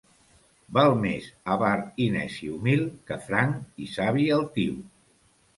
Val més avar i neci humil que franc i savi altiu.